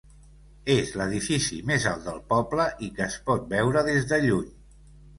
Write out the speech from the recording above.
És l'edifici més alt del poble i que es pot veure des de lluny.